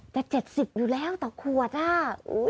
จะเจ็ดสิบอยู่แล้วต่อขวดท่า